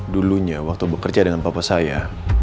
dulunya waktu bekerja dengan papa saya